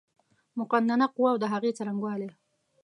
مقننه قوه اود هغې څرنګوالی